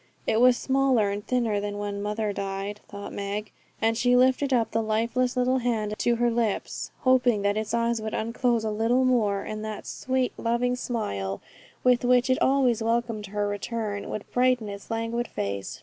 It was smaller and thinner than when mother died, thought Meg; and she lifted up the lifeless little hand to her lips, half hoping that its eyes would unclose a little more, and that sweet, loving smile, with which it always welcomed her return, would brighten its languid face.